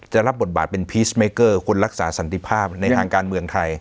จะรับบทบาทเป็นคนรักษาสันติภาพในทางการเมืองไทย